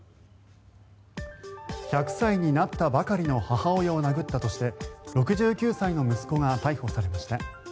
１００歳になったばかりの母親を殴ったとして６９歳の息子が逮捕されました。